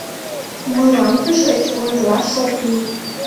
— Мылам тышеч ойырлаш ок лий.